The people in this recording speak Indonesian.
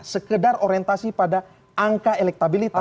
sekedar orientasi pada angka elektabilitas